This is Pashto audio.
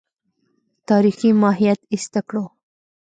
تاریخي ماهیت ایسته کړو.